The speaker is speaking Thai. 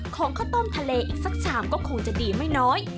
ของข้าวต้มทะเลอีกสักชามก็คงจะดีไม่น้อย